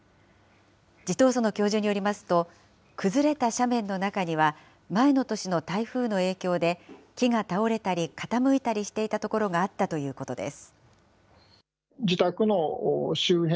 地頭薗教授によりますと、崩れた斜面の中には、前の年の台風の影響で、木が倒れたり、傾いたりしていた所があったということです。